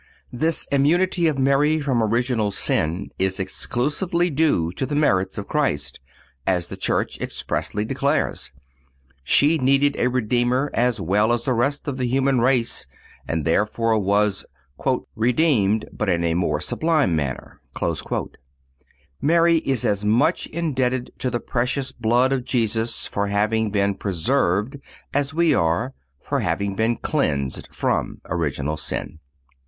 This immunity of Mary from original sin is exclusively due to the merits of Christ, as the Church expressly declares. She needed a Redeemer as well as the rest of the human race and therefore was "redeemed, but in a more sublime manner."(235) Mary is as much indebted to the precious blood of Jesus for having been preserved as we are for having been cleansed from original sin.